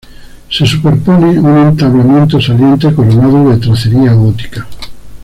Se superpone un entablamento saliente coronado de tracería gótica.